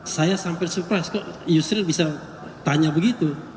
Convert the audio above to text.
saya sampai surprise kok yusril bisa tanya begitu